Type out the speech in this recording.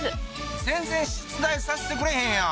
全然出題させてくれへんやん！